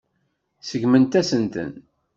Seggment-asen-ten.